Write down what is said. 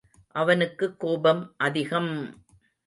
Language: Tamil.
அவனுக்குக் கோபம் அதிகம்!